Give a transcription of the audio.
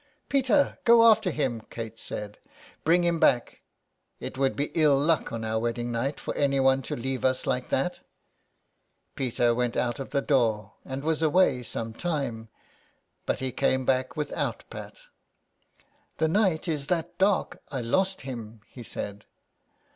"Peter, go after him," Kate said; "bring him back. It would be ill luck on our wedding night for anyone to leave us like that." Peter went out of the door, and was away some time ; but he came back without Pat. " The night is that dark, I lost him," he said.